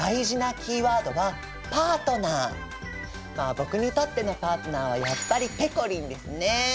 僕にとってのパートナーはやっぱりぺこりんですね。